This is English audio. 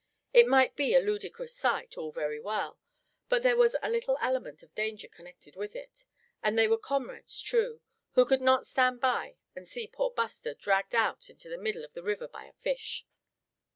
It might be a ludicrous sight, all very well, but there was a little element of danger connected with it; and they were comrades true, who could not stand by, and see poor Buster dragged out into the middle of the river by a fish.